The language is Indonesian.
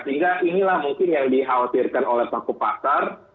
sehingga inilah mungkin yang dikhawatirkan oleh paku pasar